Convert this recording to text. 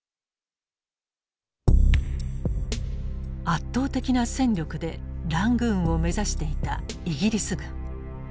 圧倒的な戦力でラングーンを目指していたイギリス軍。